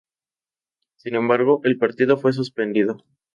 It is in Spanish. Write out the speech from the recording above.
Sin embargo, el partido fue suspendido.